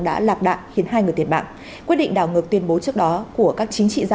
đã lạc đạn khiến hai người thiệt mạng quyết định đảo ngược tuyên bố trước đó của các chính trị gia